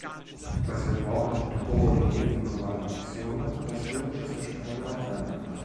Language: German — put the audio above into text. Was wir brauchen, sind koordinierte globale Aktionen, das wird inzwischen allgemein anerkannt.